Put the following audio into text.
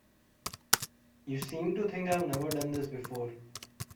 You seem to think I've never done this before.